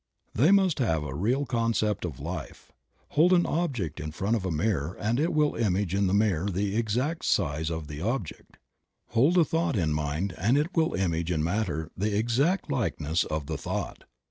They must have a real concept of life. Hold an object in front of a mirror and it will image in the mirror the exact size of the object. Hold a thought in mind and it will image in matter the exact likeness of the thought.